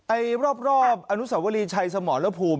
ไอนุสาวนีเฉยสมอตพูม